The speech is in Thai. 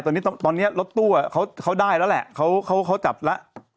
ตอนนี้รถตู้เขาได้แล้วแหละเขาจับแล้ว